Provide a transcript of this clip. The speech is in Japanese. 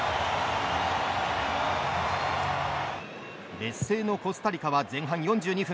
劣勢のコスタリカは前半４２分。